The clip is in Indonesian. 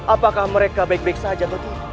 apakah mereka baik baik saja